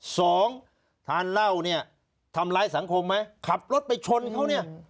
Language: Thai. สองทานเหล้าเนี่ยทำร้ายสังคมไหมขับรถไปชนเขาเนี่ย